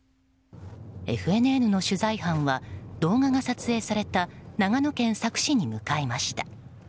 ＦＮＮの取材班は動画が撮影された長野県佐久市に向かいました。